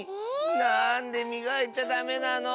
なんでみがいちゃダメなの？